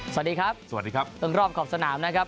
สวัสดีครับสวัสดีครับเรื่องรอบขอบสนามนะครับ